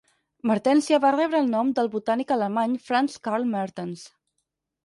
"Mertensia" va rebre el nom del botànic alemany, Franz Carl Mertens.